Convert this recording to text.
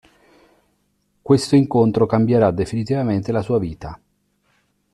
Questo incontro cambierà definitivamente la sua vita.